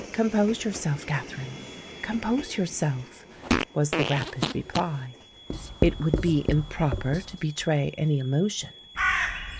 —compose yourself, Katherine—compose yourself," was the rapid reply. "It would be improper to betray any emotion.